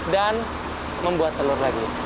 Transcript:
dan membuat telur lagi